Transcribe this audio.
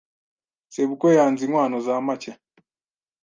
Sebukwe yanze inkwano za make